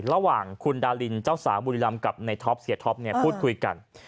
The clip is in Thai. ระหว่างคุณดารินเจ้าสาวบุรีรำกับในท็อปเสียท็อปพูดคุยกัน